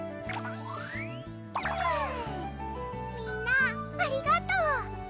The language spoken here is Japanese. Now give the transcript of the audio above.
みんなありがとう！